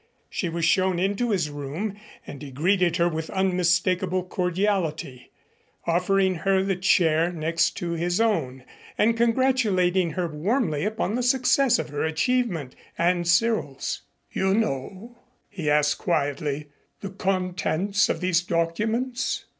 She was shown into his room and he greeted her with unmistakable cordiality, offering her the chair next his own and congratulating her warmly upon the success of her achievement and Cyril's. "You know," he asked quietly, "the contents of these documents?"